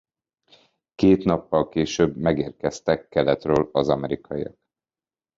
Két nappal később megérkeztek keletről az amerikaiak.